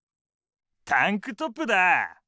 タンクトップだぁ！